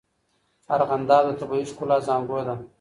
ارغنداب د طبیعي ښکلا زانګو ده.